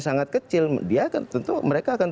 sangat kecil dia akan tentu mereka akan